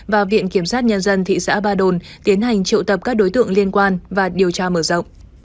và viện kiểm sát nhân dân thị xã ba đồn tiến hành triệu tập các đối tượng liên quan và điều tra mở rộng